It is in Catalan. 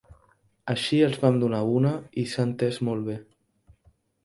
Així els vam donar una i s'ha entès molt bé.